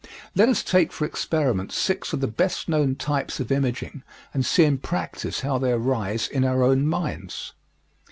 Let us take for experiment six of the best known types of imaging and see in practise how they arise in our own minds.